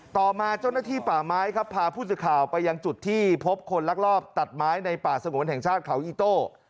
ต่อมาเจ้าหน้าที่ป่าไม้ครับพาผู้สื่อข่าวไปยังจุดที่พบคนลักลอบตัดไม้ในป่าสงวนแห่งชาติเขาอีโต้